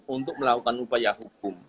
untuk melakukan upaya hukum